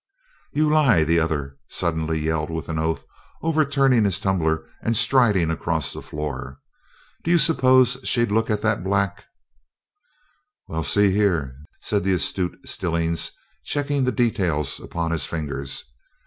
"You lie!" the other suddenly yelled with an oath, overturning his tumbler and striding across the floor. "Do you suppose she'd look at that black " "Well, see here," said the astute Stillings, checking the details upon his fingers.